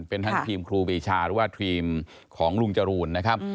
เป็นทั้งทีมครูปีชาหรือว่าทีมของลุงจรูนนะครับ